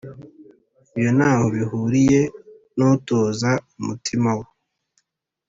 ibyo nta ho bihuriye n’utoza umutima we